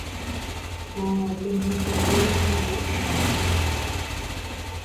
Ko tembiporu rupive ikatu